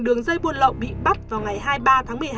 đường dây buôn lậu bị bắt vào ngày hai mươi ba tháng một mươi hai